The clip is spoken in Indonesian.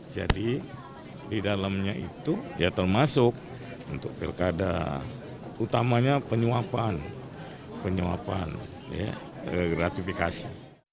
jadi di dalamnya itu ya termasuk untuk perkadang utamanya penyuapan penyuapan gratifikasi